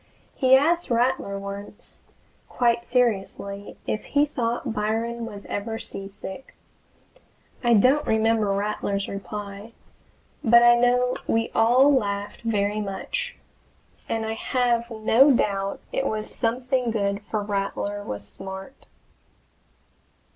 He asked Rattler once, quite seriously, if he thought Byron was ever seasick. I don't remember Rattler's reply, but I know we all laughed very much, and I have no doubt it was something good for Rattler was smart.